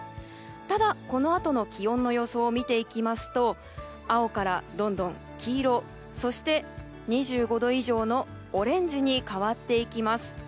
ただ、このあとの気温の予想を見ていきますと青から、どんどん黄色そして、２５度以上のオレンジに変わっていきます。